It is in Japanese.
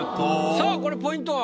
さあこれポイントは？